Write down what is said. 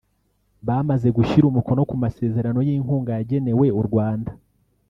bamaze gushyira umukono ku masezerano y’inkunga yagenewe u Rwanda